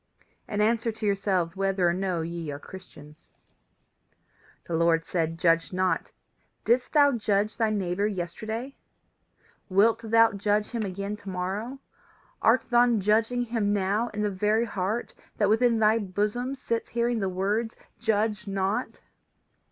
and answer to yourselves whether or no ye are Christians. "The Lord says: Judge not. Didst thou judge thy neighbour yesterday? Wilt thou judge him again to morrow? Art thou judging him now in the very heart that within thy bosom sits hearing the words Judge not?